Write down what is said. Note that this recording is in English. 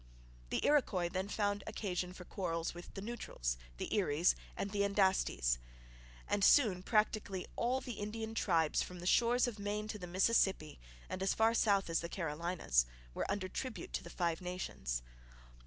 The Iroquois then found occasion for quarrels with the Neutrals, the Eries, and the Andastes; and soon practically all the Indian tribes from the shores of Maine to the Mississippi and as far south as the Carolinas were under tribute to the Five Nations.